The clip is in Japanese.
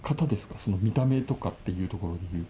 その見た目とかっていうところで言うと。